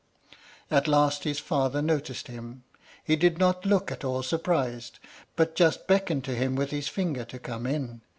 At last his father noticed him. He did not look at all surprised, but just beckoned to him with his finger to come in.